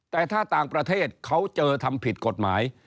แต่ถ้าต่างประเทศเขาเจอทำผิดกฎหมาย